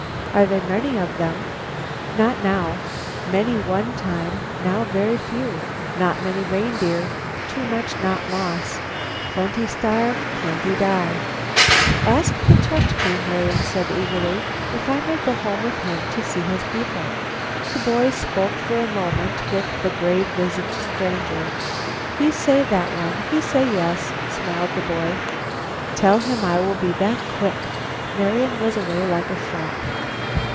"Are there many of them?" "Not now. Many, one time. Now very few. Not many reindeer. Too much not moss. Plenty starve. Plenty die." "Ask the Chukche," Marian said eagerly, "if I may go home with him to see his people." The boy spoke for a moment with the grave visaged stranger. "He say, that one, he say yes," smiled the boy. "Tell him I will be back quick." Marian was away like a shot.